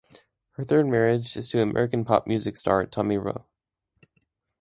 Her third marriage is to American pop music star Tommy Roe.